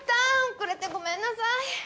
遅れてごめんなさい！